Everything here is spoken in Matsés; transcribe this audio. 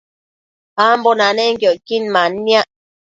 ambo nanenquio icquin manniac